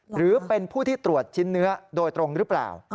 หรือเป็นผู้ที่ตรวจชิ้นเนื้อโดยตรงหรือเปล่า